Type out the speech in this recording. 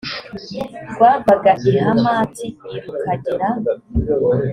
rwavaga i hamati i rukagera